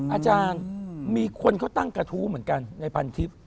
อาจารย์มีคนเขาตั้งกระทู้เหมือนกันในพันทิพย์